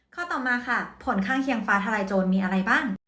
ข้อต่อมาค่ะผลข้างเคียงฟ้าทลายโจรมีอะไรบ้าง